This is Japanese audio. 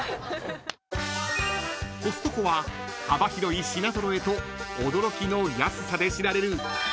［コストコは幅広い品揃えと驚きの安さで知られる］